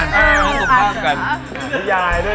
ชอบดูละครแล้วก็อ่านดิยายค่ะ